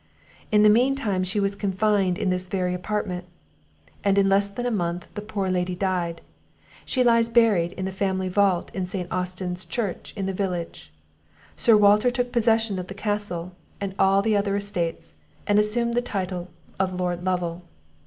In the mean time she was confined in this very apartment, and in less than a month the poor Lady died. She lies buried in the family vault in St. Austin's church in the village. Sir Walter took possession of the castle, and all the other estates, and assumed the title of Lord Lovel.